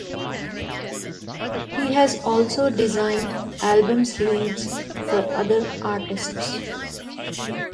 He has also designed album sleeves for other artists.